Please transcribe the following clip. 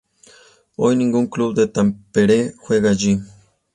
Hoy ningún club de Tampere juega allí.